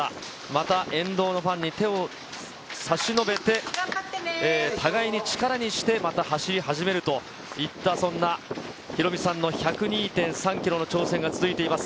また、沿道のファンに手を差し伸べて、互いに力にして、また走り始めるといった、そんなヒロミさんの１０２．３キロの挑戦が続いています。